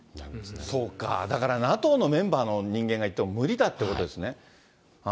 そうか、だからＮＡＴＯのメンバーの人間がいっても無理だということですね。